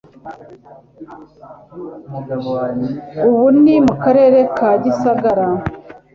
ubu ni mu Karere ka Gisagara